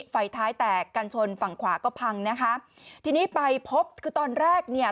ไฟท้ายแตกกันชนฝั่งขวาก็พังนะคะทีนี้ไปพบคือตอนแรกเนี่ย